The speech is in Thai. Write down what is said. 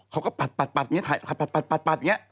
เค้าก็ปัดอย่างเงี้ยถ่ายปัดอย่างเงี้ย